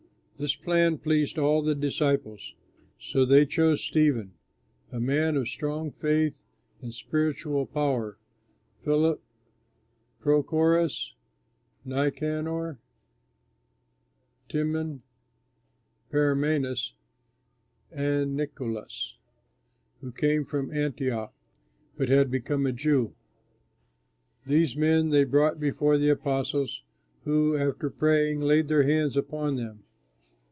This plan pleased all the disciples; so they chose Stephen, a man of strong faith and spiritual power, Philip, Prochorus, Nicanor, Timon, Parmenas, and Nicolaus, who came from Antioch but had become a Jew. These men they brought before the apostles, who after praying laid their hands upon them.